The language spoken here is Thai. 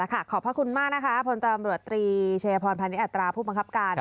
อ๋อแล้วค่ะขอบพระคุณมากนะคะผมชนะอำนวติริเชียรพรพันธุ์อัตราผู้ประครับการ